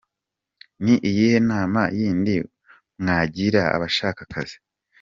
com : Ni iyihe nama y’indi mwagira abashaka akazi ?.